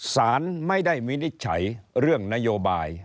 สารไม่ได้วินิจฉัยเรื่องนโยบาย